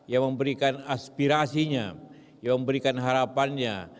yang memberikan aspirasinya yang memberikan harapannya